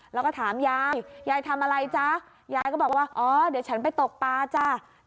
แล้วก็ถามยายยายทำอะไรจ๊ะยายก็บอกว่าอ๋อเดี๋ยวฉันไปตกปลาจ้ะ